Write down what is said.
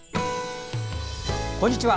こんにちは。